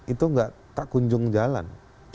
itu nggak tak kunjung jalan